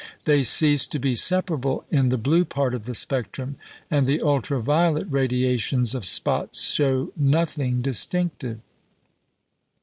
They cease to be separable in the blue part of the spectrum; and the ultra violet radiations of spots show nothing distinctive.